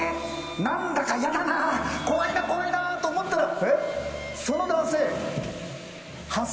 何だかやだな怖いな怖いなと思ったら。